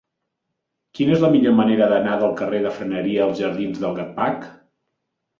Quina és la millor manera d'anar del carrer de Freneria als jardins del Gatcpac?